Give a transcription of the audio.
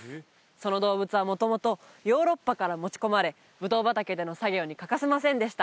その動物は元々ヨーロッパから持ち込まれブドウ畑での作業に欠かせませんでした